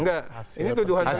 ini tuduhan serius